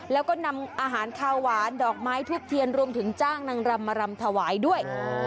แล้วก็นำอาหารคาวหวานดอกไม้ทุบเทียนรวมถึงจ้างนางรำมารำถวายด้วย